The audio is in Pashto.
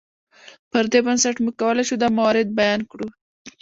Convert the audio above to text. پر دې بنسټ موږ کولی شو دا موارد بیان کړو.